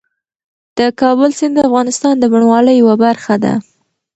د کابل سیند د افغانستان د بڼوالۍ یوه برخه ده.